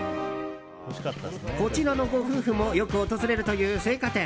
こちらのご夫婦もよく訪れるという青果店。